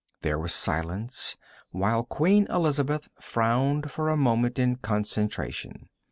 There was silence while Queen Elizabeth frowned for a moment in concentration.